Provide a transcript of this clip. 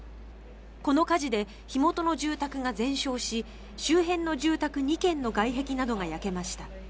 この火事で火元の住宅が全焼し周辺の住宅２軒の外壁などが焼けました。